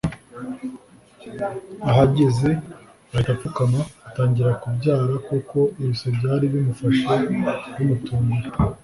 Ahageze ahita apfukama atangira kubyara kuko ibise byari bimufashe bimutunguye